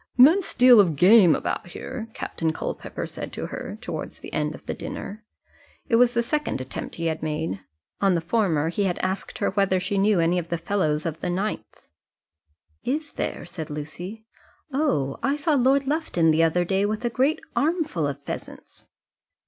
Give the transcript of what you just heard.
"Immense deal of game about here," Captain Culpepper said to her towards the end of the dinner. It was the second attempt he had made; on the former he had asked her whether she knew any of the fellows of the 9th. "Is there?" said Lucy. "Oh! I saw Lord Lufton the other day with a great armful of pheasants."